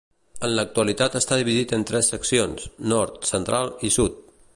En l'actualitat està dividit en tres seccions: nord, central i sud.